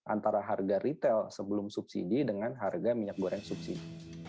antara harga retail sebelum subsidi dengan harga minyak goreng subsidi